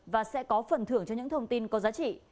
và sẽ có phần thưởng cho những thông tin có giá trị